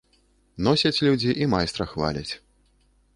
Носяць людзі і майстра хваляць.